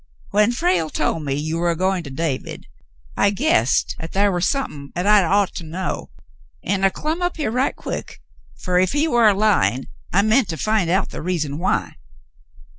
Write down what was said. "^ "When Frale told me you war a goin' to David, I guessed 'at thar war somethin' 'at I'd ought to know, an' I clum up here right quick, fer if he war a lyin', I meant to find out the reason why."